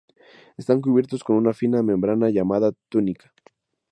Están cubiertos con una fina membrana llamada túnica.